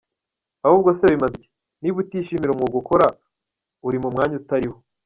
Ahubwo se bimaze iki? Niba utishimira umwuga ukora, uri mu mwanya utari wo.